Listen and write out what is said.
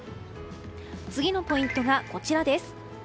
次のポイントがこちらです。